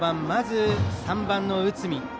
まず、３番の内海。